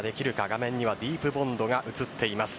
画面にはディープボンドが映っています。